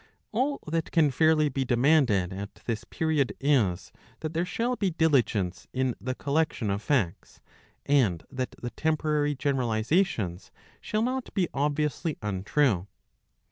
All that can fairly be demanded at this period is that there shall be diligence in the collection of facts, and that the temporary generalisations shall not be obviously untrue.